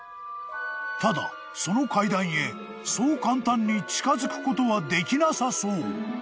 ［ただその階段へそう簡単に近づくことはできなさそう］